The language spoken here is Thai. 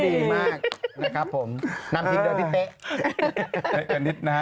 ดีมากนะครับผมน้ำชินเดิมที่เต๊ะ